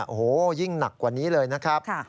โอ้โหยิ่งหนักกว่านี้เลยนะครับ